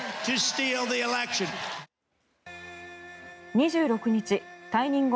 ２６日、退任後